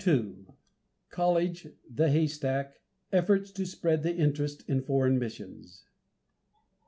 COLLEGE THE HAYSTACK EFFORTS TO SPREAD THE INTEREST IN FOREIGN MISSIONS.